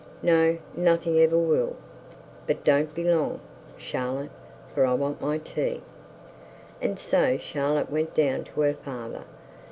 'No; nothing ever will. But don't be long, Charlotte, for I want my tea.' And so Charlotte went down to her father.